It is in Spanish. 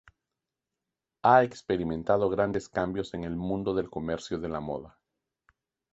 Ha experimentado grandes cambios en el mundo del comercio de la moda.